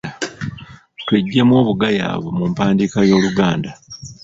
Tweggyemu obugayaavu mu mpandiika y’Oluganda.